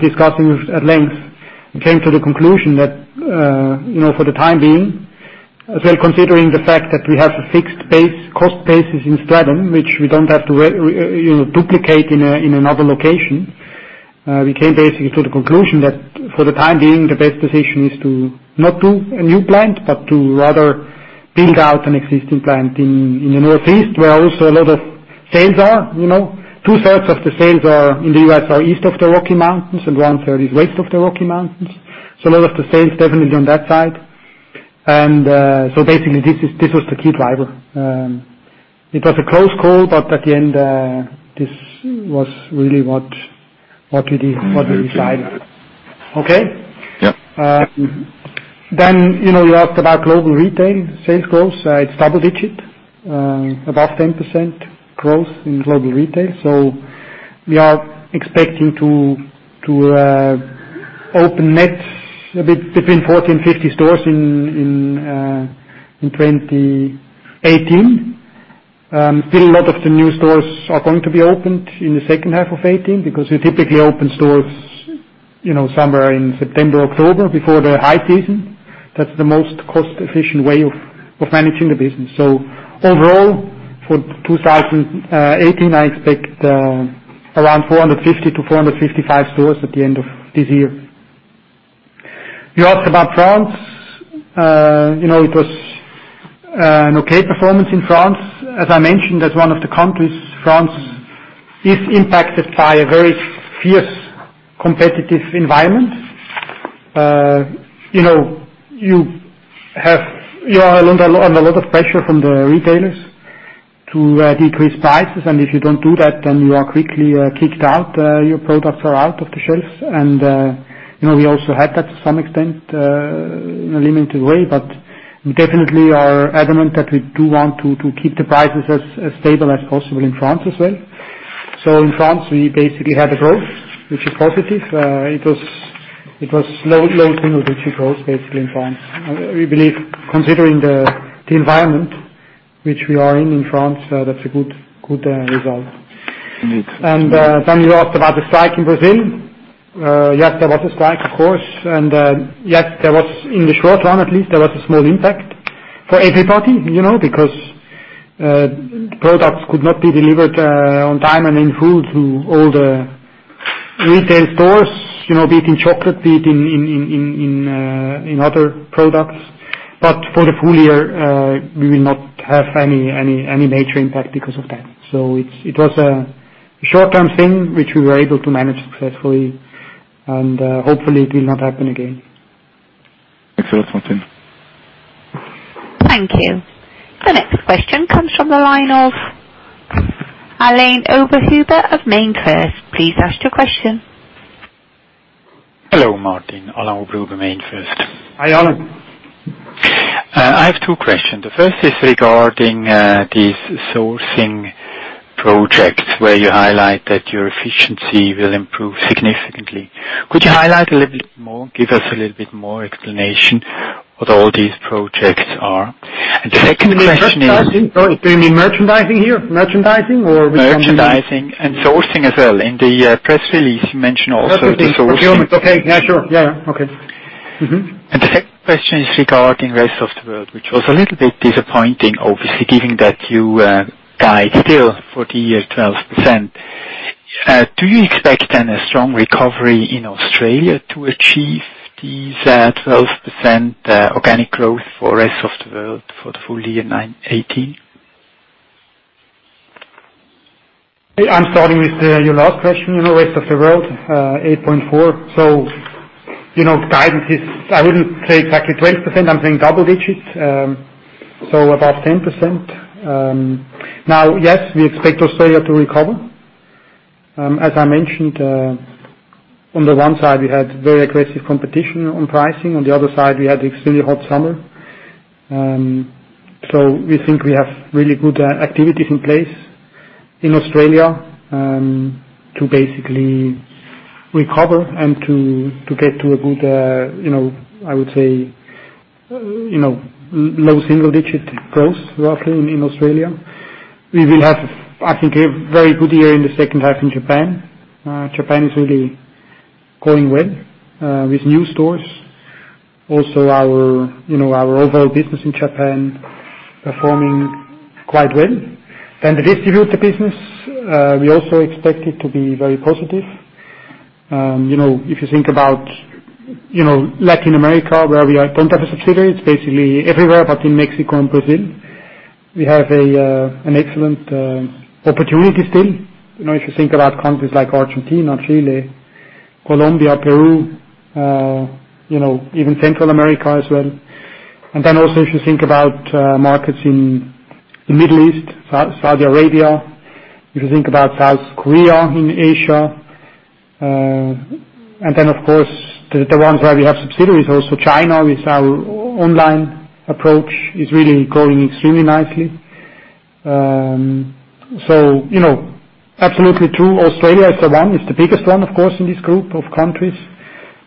discussing at length, we came to the conclusion that, for the time being, as well considering the fact that we have a fixed cost basis in Stratham, which we don't have to duplicate in another location. We came basically to the conclusion that for the time being, the best decision is to not do a new plant, but to rather build out an existing plant in the Northeast, where also a lot of sales are. Two-thirds of the sales in the U.S. are east of the Rocky Mountains, and one-third is west of the Rocky Mountains. A lot of the sales definitely on that side. Basically, this was the key driver. It was a close call, but at the end, this was really what we decided. Okay? Yep. You asked about Global Retail sales growth. It's double digit, above 10% growth in Global Retail. We are expecting to open net a bit between 40 and 50 stores in 2018. Still, a lot of the new stores are going to be opened in the second half of 2018, because we typically open stores somewhere in September, October before the high season. That's the most cost-efficient way of managing the business. Overall for 2018, I expect around 450 to 455 stores at the end of this year. You asked about France. It was an okay performance in France. As I mentioned, as one of the countries, France is impacted by a very fierce competitive environment. You are under a lot of pressure from the retailers to decrease prices, and if you don't do that, then you are quickly kicked out, your products are out of the shelves. We also had that to some extent in a limited way. We definitely are adamant that we do want to keep the prices as stable as possible in France as well. In France, we basically had a growth, which is positive. It was low single-digit growth, basically in France. We believe considering the environment which we are in France, that's a good result. You asked about the strike in Brazil. Yes, there was a strike, of course, and yes, in the short run at least, there was a small impact for everybody. Because products could not be delivered on time and in full to all the retail stores, be it in chocolate, be it in other products. For the full year, we will not have any major impact because of that. It was a short-term thing which we were able to manage successfully, and hopefully it will not happen again. Excellent, Martin. Thank you. The next question comes from the line of Alain Oberhuber of MainFirst. Please ask your question. Hello, Martin. Alain Oberhuber, MainFirst. Hi, Alain. I have two questions. The first is regarding these sourcing projects where you highlight that your efficiency will improve significantly. Could you highlight a little bit more, give us a little bit more explanation what all these projects are? Second question is- Sorry, do you mean merchandising here? Merchandising or which one do you mean? Merchandising and sourcing as well. In the press release, you mention also the sourcing. Okay. Yeah, sure. Yeah. Okay. The second question is regarding rest of the world, which was a little bit disappointing, obviously, given that you guide still for the year 12%. Do you expect then a strong recovery in Australia to achieve this 12% organic growth for rest of the world for the full year 2019, 2018? I'm starting with your last question, rest of the world, 8.4%. Guidance is, I wouldn't say exactly 20%, I'm saying double digits. Above 10%. Yes, we expect Australia to recover. As I mentioned, on the one side, we had very aggressive competition on pricing. On the other side, we had extremely hot summer. We think we have really good activities in place in Australia, to basically recover and to get to a good, I would say, low single-digit growth, roughly, in Australia. We will have, I think, a very good year in the second half in Japan. Japan is really going well, with new stores. Also our overall business in Japan performing quite well. Then the distributor business, we also expect it to be very positive. If you think about Latin America, where we don't have a subsidiary, it's basically everywhere, but in Mexico and Brazil. We have an excellent opportunity still. If you think about countries like Argentina, Chile, Colombia, Peru, even Central America as well. Then also if you think about markets in the Middle East, Saudi Arabia, if you think about South Korea in Asia. Then of course, the ones where we have subsidiaries also, China, with our online approach is really growing extremely nicely. Absolutely true. Australia is the one, it's the biggest one, of course, in this group of countries.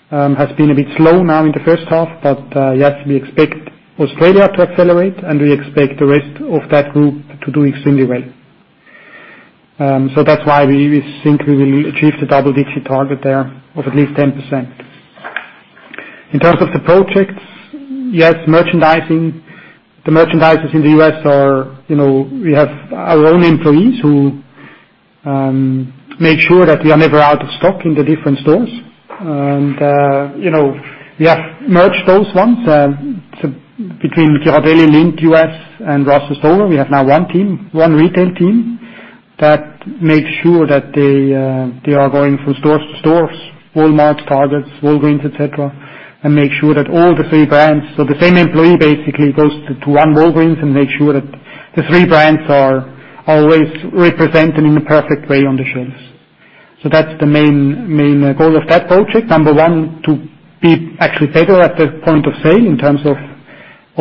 Has been a bit slow now in the first half, but yes, we expect Australia to accelerate, and we expect the rest of that group to do extremely well. That's why we think we will achieve the double-digit target there of at least 10%. In terms of the projects, yes, merchandising. The merchandisers in the U.S. are, we have our own employees who make sure that we are never out of stock in the different stores. We have merged those ones between Ghirardelli, Lindt USA, and Russell Stover. We have now one retail team that makes sure that they are going from stores to stores, Walmarts, Targets, Walgreens, et cetera, and make sure that all the 3 brands-- the same employee basically goes to one Walgreens and makes sure that the 3 brands are always represented in a perfect way on the shelves. That's the main goal of that project. Number one, to be actually better at the point of sale in terms of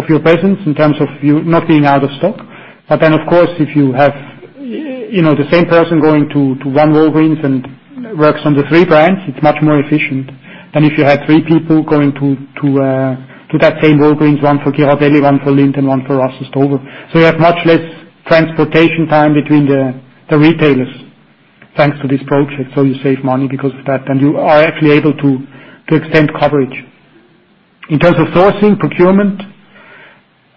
your presence, in terms of you not being out of stock. If you have the same person going to one Walgreens and works on the three brands, it's much more efficient than if you had three people going to that same Walgreens, one for Ghirardelli, one for Lindt, and one for Russell Stover. You have much less transportation time between the retailers thanks to this project. You save money because of that, and you are actually able to extend coverage. In terms of sourcing, procurement,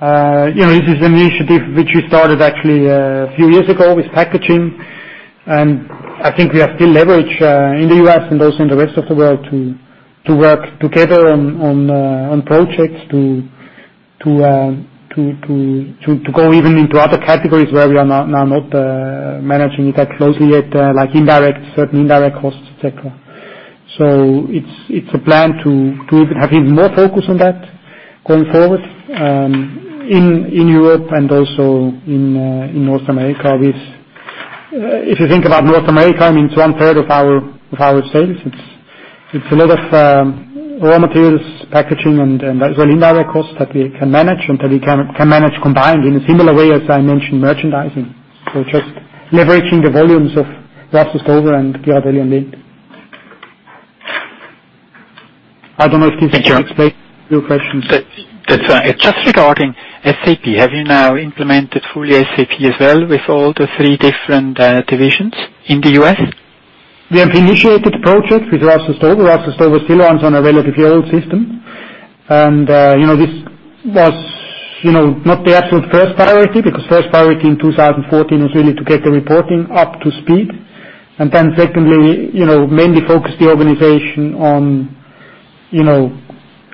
this is an initiative which we started actually a few years ago with packaging, and I think we have still leverage in the U.S. and also in the rest of the world to work together on projects to go even into other categories where we are now not managing it that closely yet, like certain indirect costs, et cetera. It's a plan to have even more focus on that going forward in Europe and also in North America. If you think about North America, it's one-third of our sales. It's a lot of raw materials, packaging, and as well, indirect costs that we can manage and that we can manage combined in a similar way, as I mentioned, merchandising. Just leveraging the volumes of Russell Stover and Ghirardelli and Lindt. I don't know if this explains your questions. That's fine. Just regarding SAP, have you now implemented fully SAP as well with all the three different divisions in the U.S.? We have initiated the project with Russell Stover. Russell Stover still runs on a relatively old system. This was not the absolute first priority because first priority in 2014 was really to get the reporting up to speed, and then secondly, mainly focus the organization on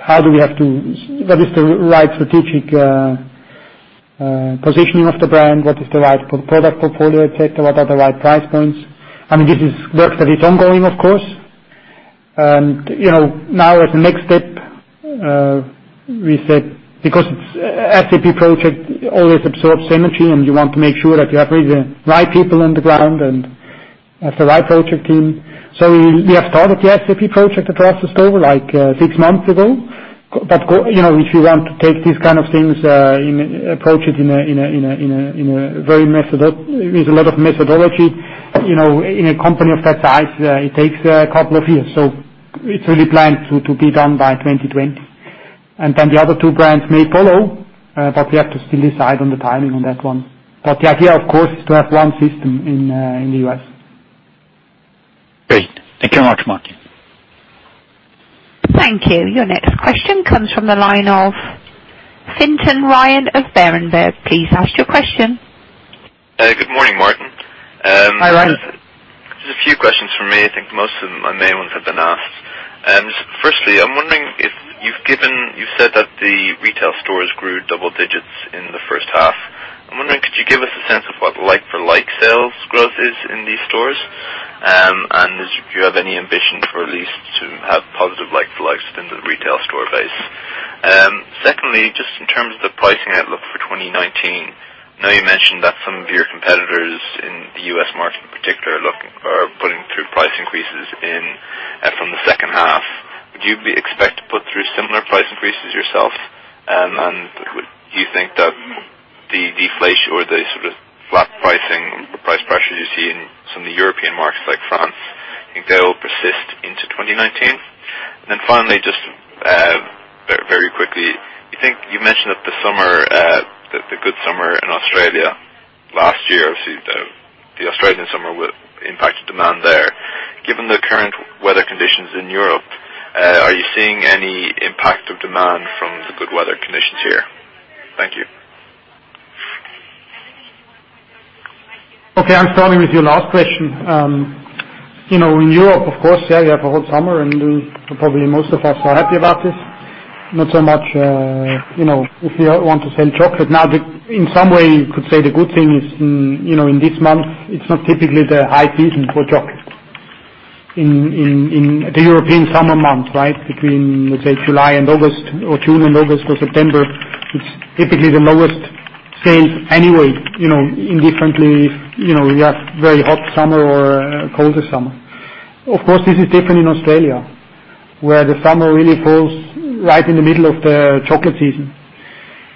what is the right strategic positioning of the brand, what is the right product portfolio, et cetera, what are the right price points. This is work that is ongoing, of course. Now as a next step, we said because SAP project always absorbs energy, and you want to make sure that you have really the right people on the ground and have the right project team. We have started the SAP project at Russell Stover six months ago. If you want to take these kind of things, approach it with a lot of methodology, in a company of that size, it takes a couple of years. It is really planned to be done by 2020. Then the other two brands may follow, but we have to still decide on the timing on that one. The idea, of course, is to have one system in the U.S. Great. Thank you much, Martin. Thank you. Your next question comes from the line of Fintan Ryan of Berenberg. Please ask your question. Good morning, Martin. Hi, Ryan. Just a few questions from me. I think most of my main ones have been asked. Firstly, I'm wondering if you've said that the retail stores grew double digits in the first half. I'm wondering, could you give us a sense of what like-for-like sales growth is in these stores? Do you have any ambition for at least to have positive like-for-likes within the retail store base? Secondly, just in terms of the pricing outlook for 2019, I know you mentioned that some of your competitors in the U.S. market in particular are putting through price increases in from the second half. Would you expect to put through similar price increases yourself? Do you think that the deflation or the sort of flat pricing, the price pressures you see in some of the European markets like France, will persist into 2019? Finally, just very quickly, you mentioned that the good summer in Australia last year, obviously the Australian summer impacted demand there. Given the current weather conditions in Europe, are you seeing any impact of demand from the good weather conditions here? Thank you. I'm starting with your last question. In Europe, of course, you have a whole summer, and probably most of us are happy about this. Not so much if we want to sell chocolate. In some way, you could say the good thing is, in this month, it's not typically the high season for chocolate. In the European summer months, between let's say July and August or June and August or September, it's typically the lowest sales anyway, indifferently if we have very hot summer or a colder summer. Of course, this is different in Australia, where the summer really falls right in the middle of the chocolate season.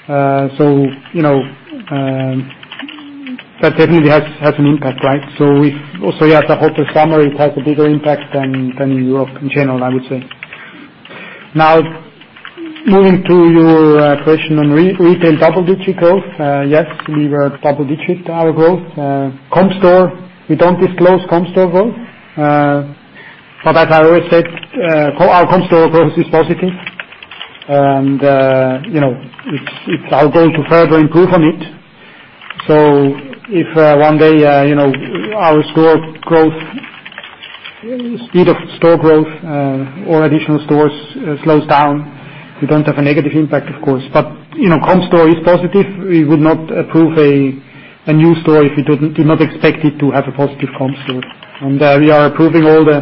That definitely has an impact, right? We also have the hotter summer, it has a bigger impact than in Europe in general, I would say. Moving to your question on retail double-digit growth. Yes, we were double-digit, our growth. We do not disclose comp store growth. As I always said, our comp store growth is positive. Our goal to further improve on it. If one day our speed of store growth or additional stores slows down, we do not have a negative impact, of course. Comp store is positive. We would not approve a new store if we do not expect it to have a positive comp store. We are approving all the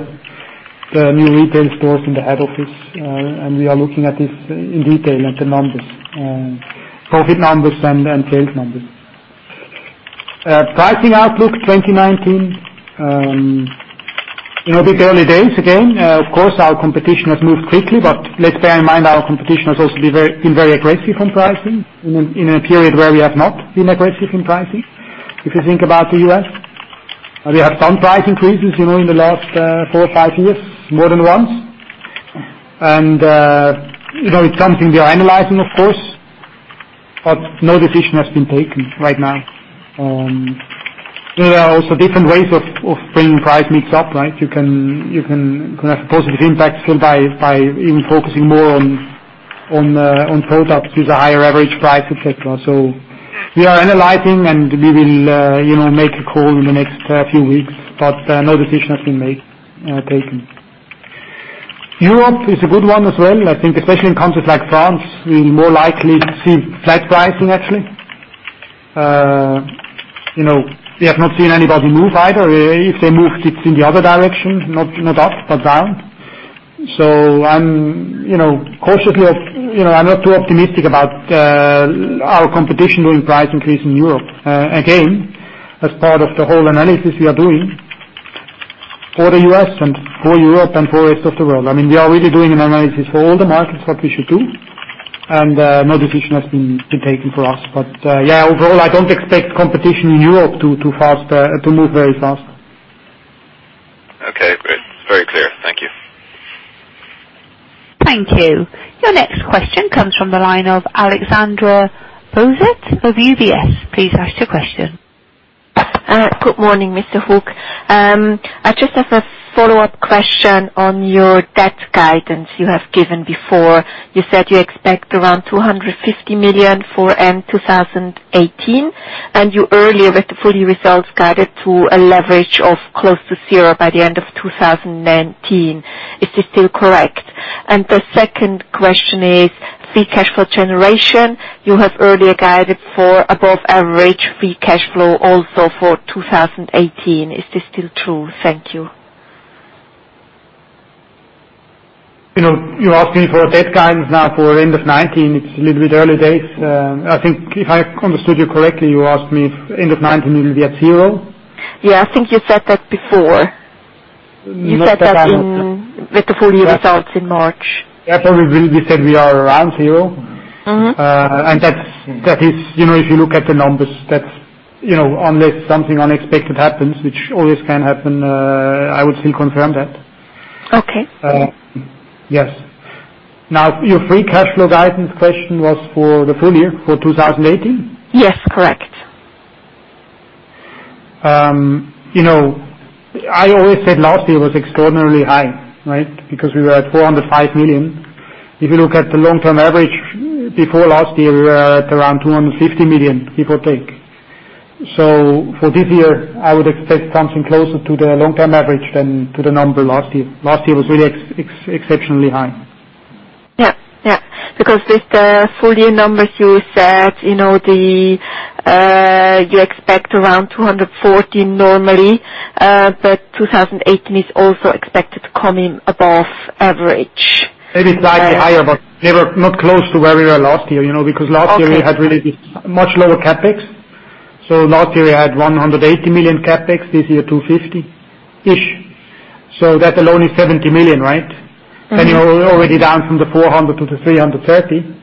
new retail stores in the head office. We are looking at this in detail at the numbers, profit numbers, and sales numbers. Pricing outlook 2019. A bit early days again. Of course, our competition has moved quickly, but let us bear in mind our competition has also been very aggressive in pricing in a period where we have not been aggressive in pricing. If you think about the U.S., we have some price increases, in the last four or five years, more than once. It is something we are analyzing, of course, but no decision has been taken right now. There are also different ways of bringing price mix up, right? You can have a positive impact by even focusing more on products with a higher average price, et cetera. We are analyzing, and we will make a call in the next few weeks. No decision has been taken. Europe is a good one as well. I think especially in countries like France, we will more likely see flat pricing actually. We have not seen anybody move either. If they move, it is in the other direction, not up, but down. I am cautiously, I am not too optimistic about our competition doing price increase in Europe. Again, as part of the whole analysis we are doing for the U.S. and for Europe and for the rest of the world. We are really doing an analysis for all the markets, what we should do, and no decision has been taken for us. Overall, I do not expect competition in Europe to move very fast. Okay, great. Very clear. Thank you. Thank you. Your next question comes from the line of Alexandra Steiger of UBS. Please ask your question. Good morning, Mr. Hug. I just have a follow-up question on your debt guidance you have given before. You said you expect around 250 million for end 2018, and you earlier, with the full year results, guided to a leverage of close to zero by the end of 2019. Is this still correct? The second question is free cash flow generation. You have earlier guided for above average free cash flow also for 2018. Is this still true? Thank you. You are asking for a debt guidance now for end of 2019. It's a little bit early days. I think if I understood you correctly, you asked me if end of 2019 it will be at zero. Yeah, I think you said that before. You said that in with the full year results in March. Yeah. Probably we said we are around zero. That is, if you look at the numbers, unless something unexpected happens, which always can happen, I would still confirm that. Okay. Yes. Now, your free cash flow guidance question was for the full year, for 2018? Yes, correct. I always said last year was extraordinarily high, right? Because we were at 405 million. If you look at the long-term average, before last year, we were at around 250 million before tax. For this year, I would expect something closer to the long-term average than to the number last year. Last year was really exceptionally high. With the full year numbers, you said you expect around 240 normally, but 2018 is also expected to come in above average. Maybe slightly higher, but we were not close to where we were last year. Last year we had really much lower CapEx. Last year we had 180 million CapEx. This year 250-ish. That alone is 70 million, right? You're already down from 400 to 330.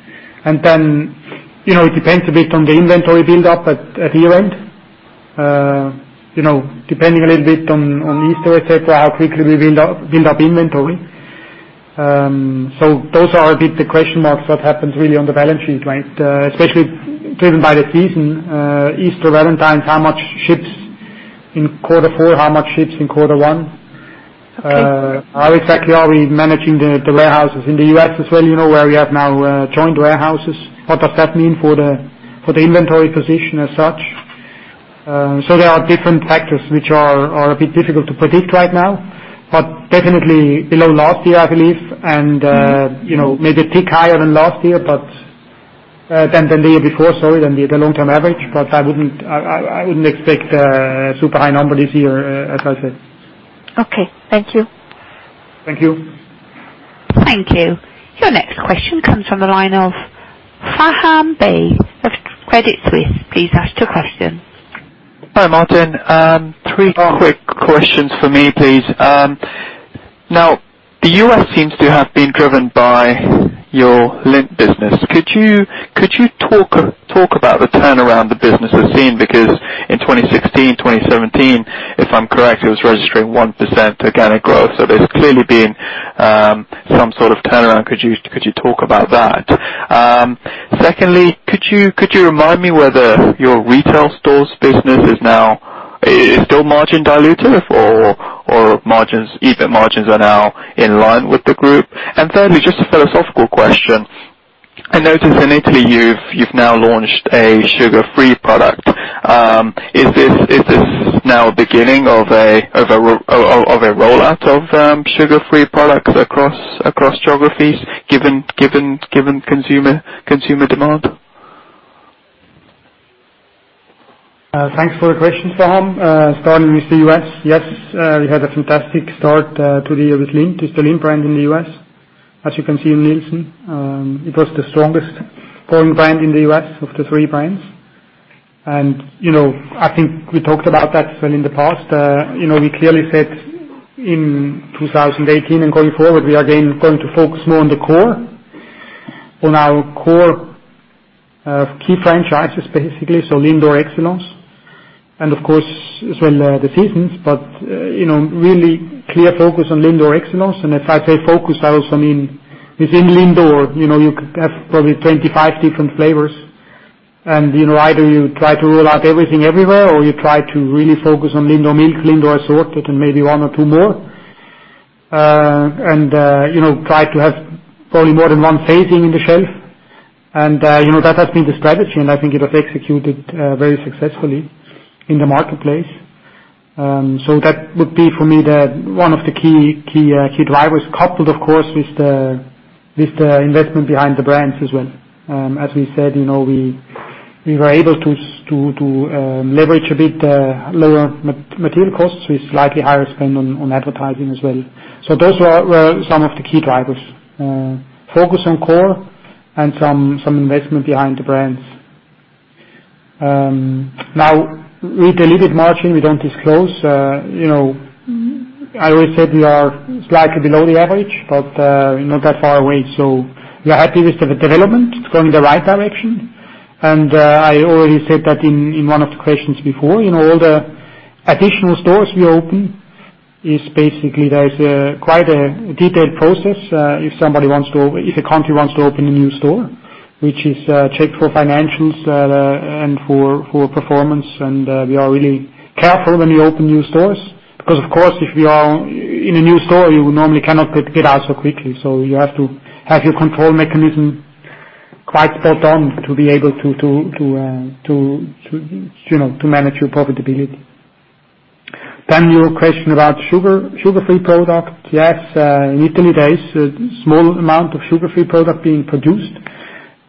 It depends a bit on the inventory build-up at year-end. Depending a little bit on Easter, et cetera, how quickly we build up inventory. Those are a bit the question marks what happens really on the balance sheet, right? Especially driven by the season, Easter, Valentine's, how much ships in quarter four, how much ships in quarter one. Okay how exactly are we managing the warehouses in the U.S. as well, where we have now joint warehouses. What does that mean for the inventory position as such? There are different factors which are a bit difficult to predict right now, but definitely below last year, I believe. Maybe tick higher than last year, than the year before, sorry, than the long-term average, but I wouldn't expect super high numbers this year, as I said. Okay. Thank you. Thank you. Thank you. Your next question comes from the line of Faham Baig of Credit Suisse. Please ask your question. Hi, Martin. Three quick questions from me, please. The U.S. seems to have been driven by your Lindt business. Could you talk about the turnaround the business has seen? Because in 2016, 2017, if I'm correct, it was registering 1% organic growth. There's clearly been some sort of turnaround. Could you talk about that? Secondly, could you remind me whether your retail stores business is still margin dilutive or EBIT margins are now in line with the group? Thirdly, just a philosophical question. I noticed in Italy you've now launched a Sugar Free product. Is this now a beginning of a rollout of Sugar Free products across geographies, given consumer demand? Thanks for the question, Faham. Starting with the U.S., yes, we had a fantastic start to the year with Lindt. It's the Lindt brand in the U.S. As you can see in Nielsen, it was the strongest foreign brand in the U.S. of the three brands. I think we talked about that in the past. We clearly said in 2018 and going forward, we are, again, going to focus more on the core. On our core key franchises, basically, LINDOR EXCELLENCE. Of course, as well, the Seasons, but really clear focus on LINDOR EXCELLENCE. If I say focus, I also mean within LINDOR, you could have probably 25 different flavors. Either you try to roll out everything everywhere, or you try to really focus on LINDOR Milk, LINDOR Assorted, and maybe one or two more. Try to have probably more than one facing in the shelf. That has been the strategy, and I think it was executed very successfully in the marketplace. That would be, for me, one of the key drivers, coupled, of course, with the investment behind the brands as well. As we said, we were able to leverage a bit lower material costs with slightly higher spend on advertising as well. Those were some of the key drivers. Focus on core and some investment behind the brands. Now, with the [diluted] margin we don't disclose, I already said we are slightly below the average, but not that far away. We are happy with the development. It's going in the right direction. I already said that in one of the questions before. All the additional stores we open is basically there's quite a detailed process. If a country wants to open a new store, which is checked for financials and for performance, and we are really careful when we open new stores. Because, of course, if we are in a new store, you normally cannot get out so quickly. You have to have your control mechanism quite spot on to be able to manage your profitability. Your question about Sugar Free product. Yes, in Italy, there is a small amount of Sugar Free product being produced.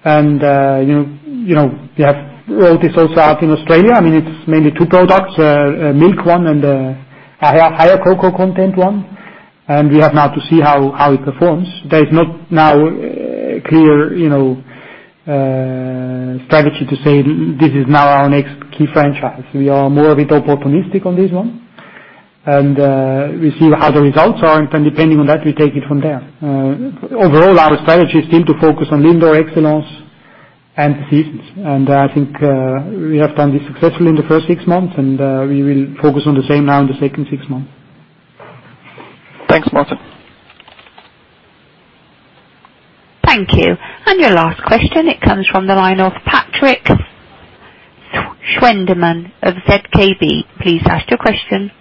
We have rolled this also out in Australia. It's mainly two products, a milk one and a higher cocoa content one. We have now to see how it performs. There is not now a clear strategy to say this is now our next key franchise. We are more a bit opportunistic on this one. We see how the results are, and depending on that, we take it from there. Overall, our strategy is still to focus on LINDOR EXCELLENCE and the Seasons. I think we have done this successfully in the first six months, and we will focus on the same now in the second six months. Thanks, Martin. Thank you. Your last question, it comes from the line of Patrik Schwendimann of ZKB. Please ask your question.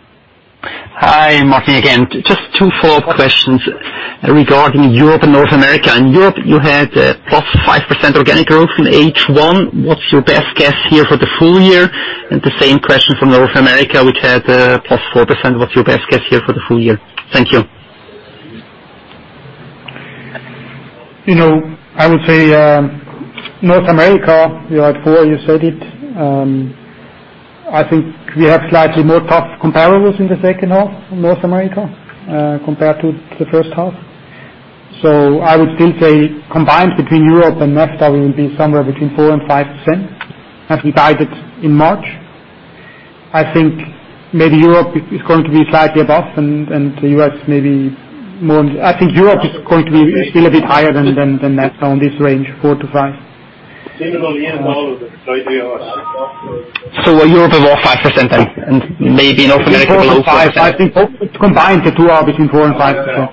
Hi, Martin, again. Just two follow-up questions regarding Europe and North America. In Europe, you had +5% organic growth in H1. What's your best guess here for the full year? The same question for North America, which had +4%. What's your best guess here for the full year? Thank you. I would say North America, you had 4, you said it. I think we have slightly more tough comparables in the second half in North America compared to the first half. I would still say combined between Europe and NAFTA, we will be somewhere between 4% and 5%, as we guided in March. I think maybe Europe is going to be slightly above and the U.S. maybe more. I think Europe is going to be still a bit higher than that, on this range, 4% to 5%. Europe above 5% and maybe North America below 4%. Combined, the two are between 4% and 5%.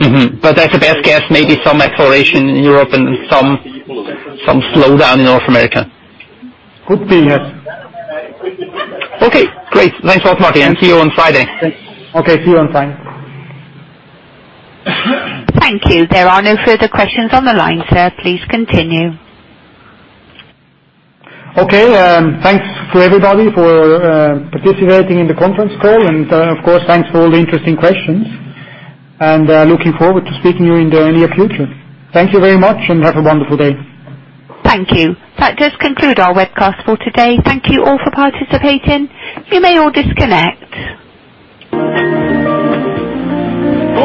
Mm-hmm. As a best guess, maybe some acceleration in Europe and some slowdown in North America. Could be, yes. Okay, great. Thanks a lot, Martin, and see you on Friday. Okay, see you on Friday. Thank you. There are no further questions on the line, sir. Please continue. Okay. Thanks to everybody for participating in the conference call, of course, thanks for all the interesting questions. Looking forward to speaking to you in the near future. Thank you very much, and have a wonderful day. Thank you. That does conclude our webcast for today. Thank you all for participating. You may all disconnect.